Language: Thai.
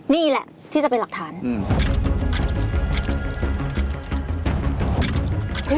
นี่แหละที่จะเป็นการอย่างใหญ่